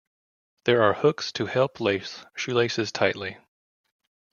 There are hooks to help lace shoelaces tightly.